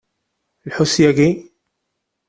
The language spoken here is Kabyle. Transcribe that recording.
Lḥut syagi!